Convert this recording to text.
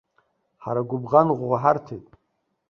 Ҳара гәыбӷан ӷәӷәа ҳарҭеит.